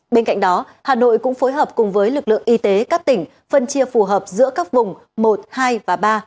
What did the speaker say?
bên cạnh đó hà nội cũng phối hợp cùng với lực lượng y tế các tỉnh phân chia phù hợp giữa các vùng một hai và ba